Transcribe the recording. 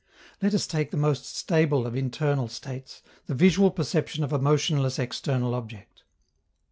Let us take the most stable of internal states, the visual perception of a motionless external object.